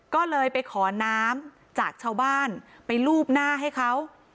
ก็เลยไปขอน้ำจากชาวบ้านไปลูบหน้าให้เขา